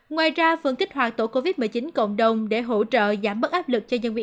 ngoài ra phường kích hoạt tổ covid một mươi chín cộng đồng để hỗ trợ giảm bất áp lực